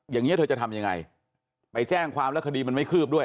อย่างนี้เธอจะทำยังไงไปแจ้งความแล้วคดีมันไม่คืบด้วย